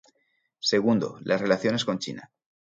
Segundo, las relaciones con China.